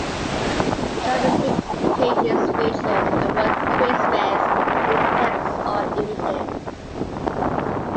Each of its six pages featured the word "Christmas" in text or images.